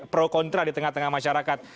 pro kontra di tengah tengah masyarakat